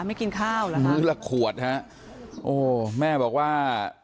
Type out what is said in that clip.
ไม่กินข้าวเหรอฮะมื้อละขวดฮะโอ้แม่บอกว่า